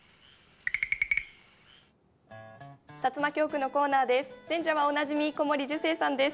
さつま狂句のコーナーです。